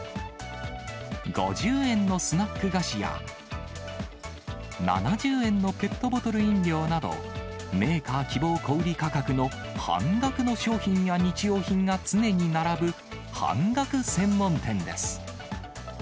５０円のスナック菓子や、７０円のペットボトル飲料など、メーカー希望小売り価格の半額の商品や日用品が常に並ぶ半額専門店です。